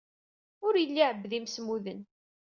Ur yelli iɛebbed imsemmuden.